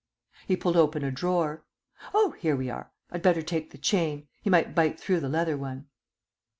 He pulled open a drawer. "Oh, here we are. I'd better take the chain; he might bite through the leather one."